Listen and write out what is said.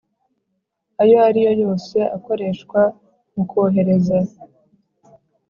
Ayo ari yo yose akoreshwa mu kohereza